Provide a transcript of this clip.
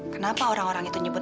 kenapa orang orang itu nyebut